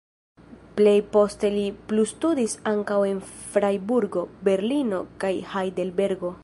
Pli poste li plustudis ankaŭ en Frajburgo, Berlino kaj Hajdelbergo.